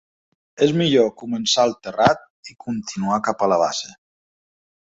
És millor començar al terrat i continuar cap a la base.